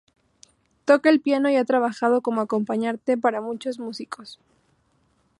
Toca el piano y ha trabajado como acompañante para muchos músicos.